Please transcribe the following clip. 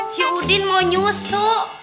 si udin mau nyusu